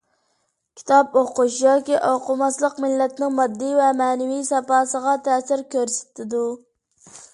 كىتاب ئوقۇش ياكى ئوقۇماسلىق مىللەتنىڭ ماددىي ۋە مەنىۋى ساپاسىغا تەسىر كۆرسىتىدۇ.